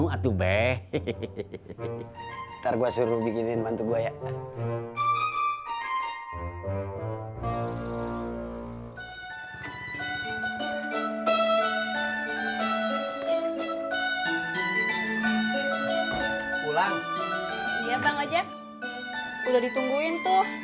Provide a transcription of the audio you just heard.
gitu be hehehe ntar gua suruh bikinin bantu gue ya pulang ya bang aja udah ditungguin tuh